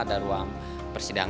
kedua ada ruang perhubungan